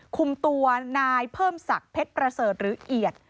คุมตัวนายเพิ่มศักดิ์เพชรประเสริฐหรือเอียด